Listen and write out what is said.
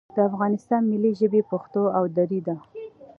د افغانستان ملي ژبې پښتو او دري دي